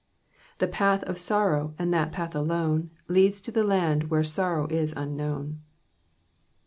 •• The path of sorrow and that path alone, Luttdti to the land where sorrow is unknown.